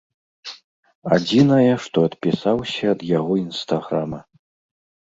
Адзінае, што адпісаўся ад яго інстаграма.